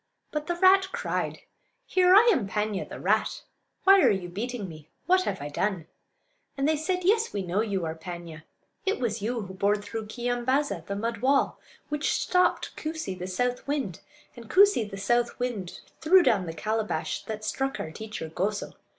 But the rat cried: "Here! I am Paan'ya, the rat. Why are you beating me? What have I done?" And they said: "Yes, we know you are Paanya; it was you who bored through Keeyambaaza, the mud wall; which stopped Koosee, the south wind; and Koosee, the south wind, threw down the calabash that struck our teacher Goso.